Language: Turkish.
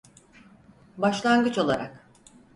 Başlangıç olarak.